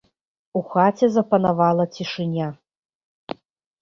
У хаце запанавала цішыня.